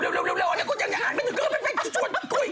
เร็วก็อย่างนั้นไปชวนคุย